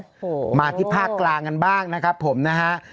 โอ้โหมาที่ภาคกลางกันบ้างนะครับผมนะฮะ